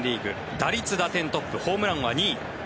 打率、打点トップホームランは２位。